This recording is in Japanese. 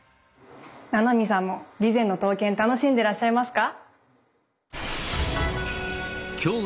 七海さんも備前の刀剣楽しんでらっしゃいますか？